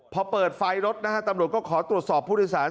พอเปิดไฟรถนะฮะตำรวจก็ขอตรวจสอบผู้โดยสาร